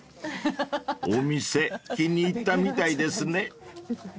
［お店気に入ったみたいですね］